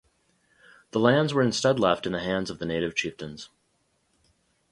The lands were instead left in the hands of the native chieftains.